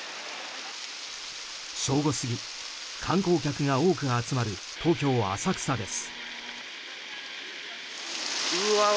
正午過ぎ、観光客が多く集まり東京・浅草です。